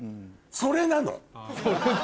それなの？